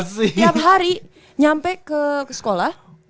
setiap hari nyampe ke sekolah